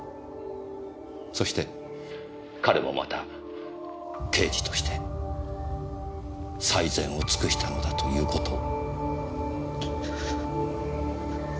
そして彼もまた刑事として最善を尽くしたのだという事を。